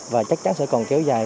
và chắc chắn sẽ còn kéo dài